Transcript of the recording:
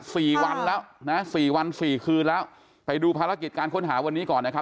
สี่วันแล้วนะสี่วันสี่คืนแล้วไปดูภารกิจการค้นหาวันนี้ก่อนนะครับ